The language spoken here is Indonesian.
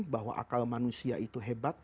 bahwa akal manusia itu hebat